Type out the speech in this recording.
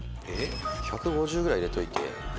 「１５０ぐらい入れといて」